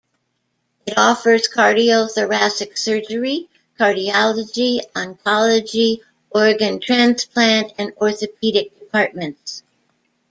It offers cardiothoracic surgery, cardiology, oncology, organ transplant, and orthopedic departments.